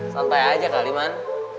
santai aja kaliman